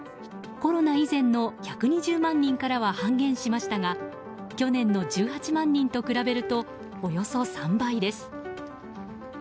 コロナ以前の１２０万人からは半減しましたが去年の１８万人と比べるとおよそ３倍です。